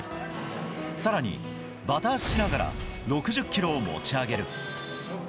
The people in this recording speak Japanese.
さらに、バタ足しながら６０キロを持ち上げる。